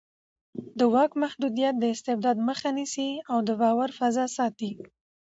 د واک محدودیت د استبداد مخه نیسي او د باور فضا ساتي